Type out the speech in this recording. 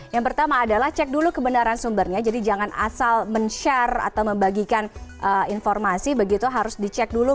yang pertama adalah cek dulu kebenaran sumbernya jadi jangan asal men share atau membagikan informasi begitu harus dicek dulu